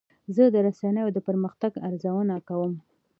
زه د رسنیو د پرمختګ ارزونه کوم.